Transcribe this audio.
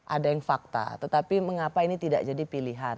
ada yang fakta tetapi mengapa ini tidak jadi pilihan